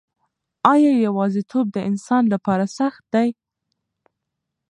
آیا یوازیتوب د انسان لپاره سخت دی؟